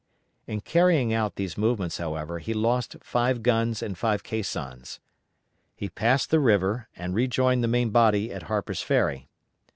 In carrying out these movements, however, he lost five guns and five caissons. He passed the river and rejoined the main body at Harper's Ferry.